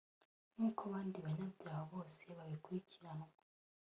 nk’uko abandi banyabyaha bose bakurikiranwa